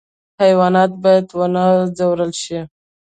حیوانات باید ونه ځورول شي